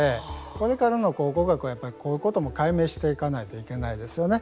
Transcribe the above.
これからの考古学は、やっぱりこういうことも解明していかないといけないですよね。